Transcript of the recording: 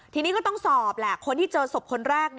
ทีนี้ก็ต้องสอบแหละคนที่เจอศพคนแรก